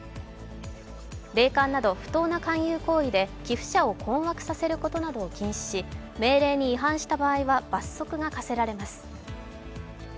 霊感など、不当な勧誘行為で寄付者を困惑させることなどを禁止し、命令に違反した場合は罰則が科せられます。